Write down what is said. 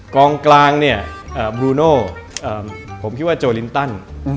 กองกลางเนี่ยบลูโน่ผมคิดว่าโจลินตัน